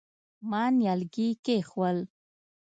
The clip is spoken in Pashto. ما نيالګي کېښوول.